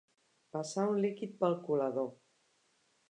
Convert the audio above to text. Passar un líquid pel colador.